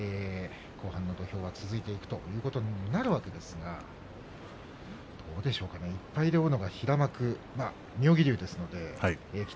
後半の土俵が続いていくということになるわけですがどうでしょうか１敗で追うのが平幕の妙義龍。